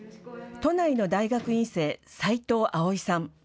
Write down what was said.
都内の大学院生、齋藤あおいさん。